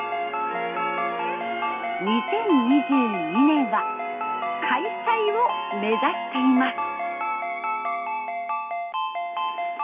２０２２年は開催を目指しています。